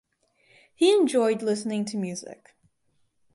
He enjoyed listening to music.